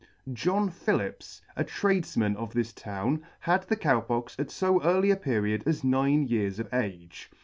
JOHN PHILLIPS, a Tradefman of this town, had the Cow Pox at fo early a period as nine years of age.